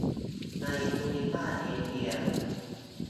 ในภูมิภาคเอเชีย